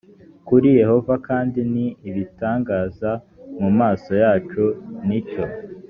kuri yehova kandi ni ibitangaza mu maso yacu ni cyo